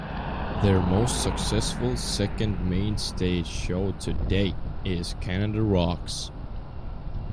Their most successful second mainstage show to date is Canada Rocks.